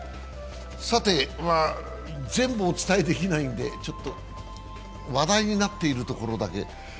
全部お伝えできないので、話題になっているところだけ。